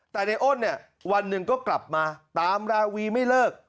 แต่ในอ้นเนี่ยวันหนึ่งก็กลับมาตามราวีไม่เลิก